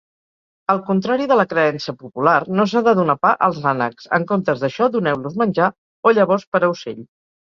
Al contrari de la creença popular, no s'ha de donar pa als ànecs. En comptes d'això, doneu-los menjar o llavors per a ocell.